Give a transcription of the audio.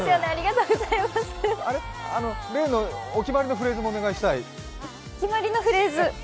あれっ、例のお決まりのフレーズもお願いしたい。